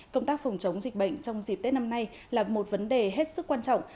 công tác phòng chống dịch bệnh trong dịp tết năm nay là một vấn đề hết sức quan trọng